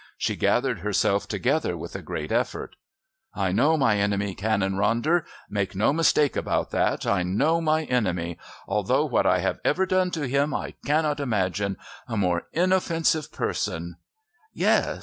She gathered herself together with a great effort. "I know my enemy, Canon Ronder. Make no mistake about that. I know my enemy. Although, what I have ever done to him I cannot imagine. A more inoffensive person " "Yes.